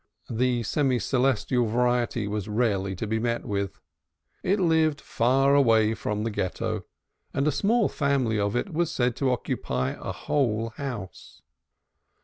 The semi celestial variety was rarely to be met with. It lived far away from the Ghetto, and a small family of it was said to occupy a whole house.